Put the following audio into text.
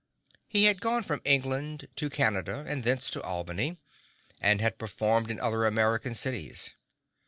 He had gone from England to Canada, and thence to Albany, and had performed in other American cities.